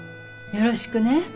よろしくね。